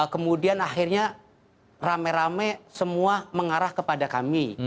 kemudian akhirnya rame rame semua mengarah kepada kami